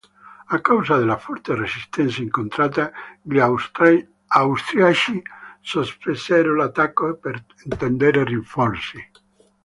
A causa della forte resistenza incontrata gli austriaci sospesero l'attacco per attendere rinforzi.